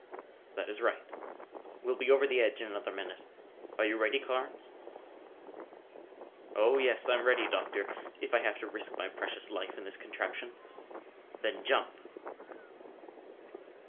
"That is right. We'll be over the edge in another minute. Are you ready, Carnes?" "Oh, yes, I'm ready, Doctor, if I have to risk my precious life in this contraption." "Then jump!"